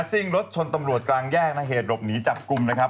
ซิ่งรถชนตำรวจกลางแยกนะเหตุหลบหนีจับกลุ่มนะครับ